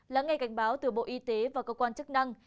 là ngay cảnh báo từ bộ y tế và cơ quan chức năng